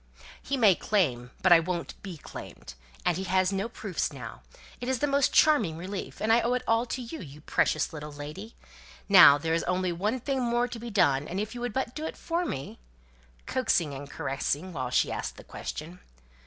"He may claim, but I won't be claimed; and he has no proofs now. It is the most charming relief; and I owe it all to you, you precious little lady! Now there's only one thing more to be done; and if you would but do it for me " (coaxing and caressing while she asked the question).